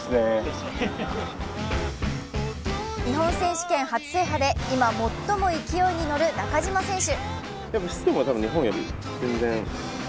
日本選手権初制覇で今、最も勢いに乗る中島選手。